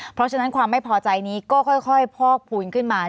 เพราะฉะนั้นความไม่พอใจนี้ก็ค่อยพอกพูนขึ้นมา